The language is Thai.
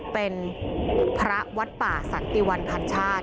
เป็นพระวัดป่าสัตว์ติวันพัชชาท